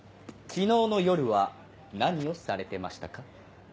昨日の夜は何をされてましたか？